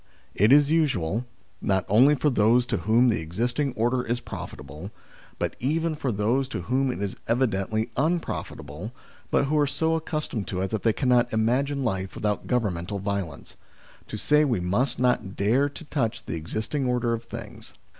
It is usual, not only for those to whom the existing order is profitable, but even for those to whom it is evidently unprofitable, but who are so accustomed to it that they cannot imagine life without governmental violence, to say we must not dare to touch the existing order of things.